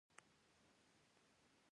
سي وي رامن په فزیک کې نوبل جایزه اخیستې.